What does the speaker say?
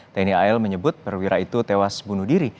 tni al menyebut perwira itu tewas bunuh diri